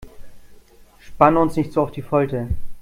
Spanne uns nicht so auf die Folter!